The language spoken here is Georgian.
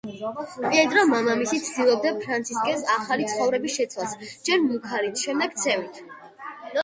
პიეტრო, მამამისი, ცდილობდა ფრანცისკეს ახალი ცხოვრების შეცვლას, ჯერ მუქარით, შემდეგ ცემით.